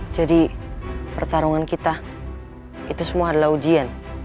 jadi pertarungan kita itu semua adalah ujian